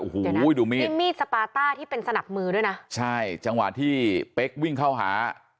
โอ้โหดูมีดนี่มีดสปาต้าที่เป็นสนับมือด้วยนะใช่จังหวะที่เป๊กวิ่งเข้าหา